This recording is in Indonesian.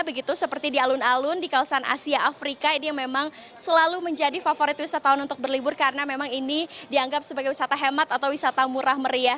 begitu seperti di alun alun di kawasan asia afrika ini yang memang selalu menjadi favorit wisatawan untuk berlibur karena memang ini dianggap sebagai wisata hemat atau wisata murah meriah